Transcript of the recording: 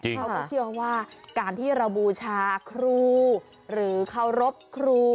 เขาก็เชื่อว่าการที่เราบูชาครูหรือเคารพครู